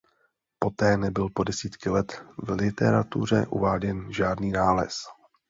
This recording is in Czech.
Poté nebyl po desítky let v literatuře uváděn žádný nález.